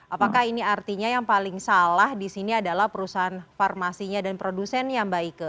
apakah ini artinya yang paling salah disini adalah perusahaan farmasinya dan produsen yang baik ke